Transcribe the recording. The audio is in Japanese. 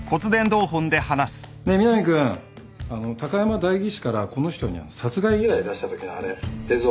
ねえ南君あの高山代議士からこの人に殺害依頼出したときのあれ映像。